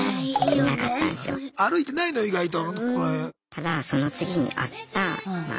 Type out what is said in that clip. ただその次に会ったまあ